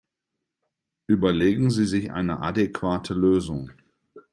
Überlegen Sie sich eine adäquate Lösung!